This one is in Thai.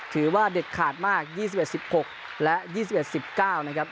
ถือว่าเด็ดขาดมากยี่สิบเอ็ดสิบหกและยี่สิบเอ็ดสิบเก้านะครับ